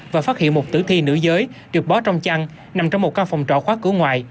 và phát hiện một tử thi nữ giới được bó trong chăn nằm trong một căn phòng trọ khóa cửa ngoại